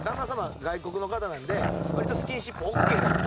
外国の方なんで割とスキンシップオッケーだろうと。